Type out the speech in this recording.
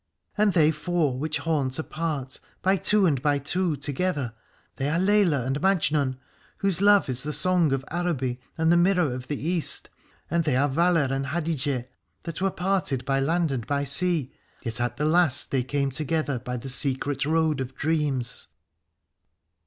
And they four which haunt apart, by two and by two together, they are Leila and Majnun, whose love is the song of Araby and the mirror of the East, and they are Valeh and Hadijeh, that were parted by land and by sea, yet at the last they came together by the secret road of dreams.